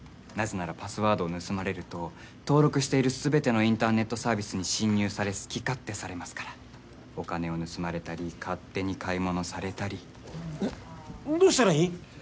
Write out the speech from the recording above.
なぜならパスワードを盗まれると登録している全てのインターネットサービスに侵入され好き勝手されますからお金を盗まれたり勝手に買い物されたりどうしたらいい！？